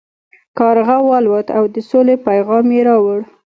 کارغه والوت او د سولې پیام یې راوړ.